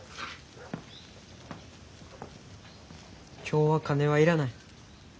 今日は金は要らない。